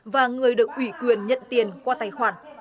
và người được ủy quyền nhận tiền qua tài khoản